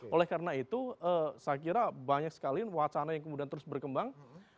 oleh karena itu saya kira banyak sekali wacana yang kemudian terus berkembang